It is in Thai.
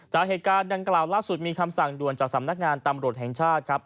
จากเหตุการณ์ดังกล่าวล่าสุดมีคำสั่งด่วนจากสำนักงานตำรวจแห่งชาติครับ